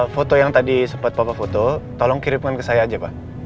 foto yang tadi sempat bapak foto tolong kirimkan ke saya aja pak